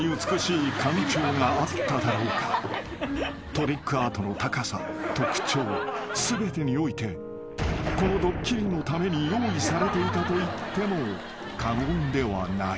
［トリックアートの高さ特徴全てにおいてこのドッキリのために用意されていたといっても過言ではない］